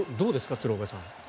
鶴岡さん。